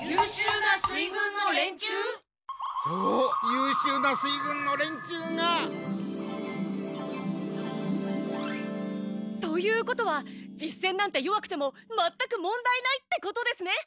ゆうしゅうな水軍の連中が。ということは実戦なんて弱くてもまったく問題ないってことですね。